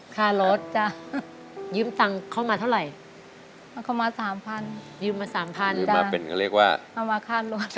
ค่ารถยืมตังเข้ามาเท่าไหร่ยืมมา๓พันใช้จ่ายที่สะดวก